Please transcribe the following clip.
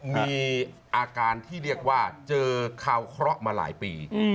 มีอาการที่เรียกว่าเจอคาวเคราะห์มาหลายปี